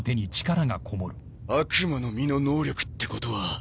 悪魔の実の能力ってことは。